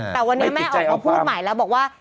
แต่วันนี้แม่ออกมาพูดใหม่แล้วบอกว่า